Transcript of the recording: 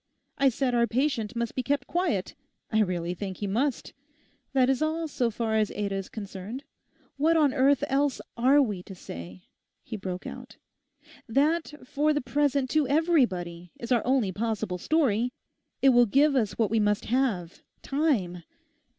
I said our patient must be kept quiet—I really think he must. That is all, so far as Ada is concerned.... What on earth else are we to say?' he broke out. 'That, for the present to everybody, is our only possible story. It will give us what we must have—time.